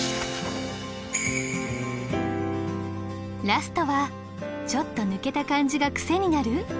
ラストはちょっと抜けた感じがクセになる！？